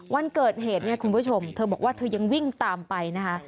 วันเกิดเหตุเนี่ยคุณผู้ชมเธอบอกว่าเธอยังวิ่งตามไปนะคะ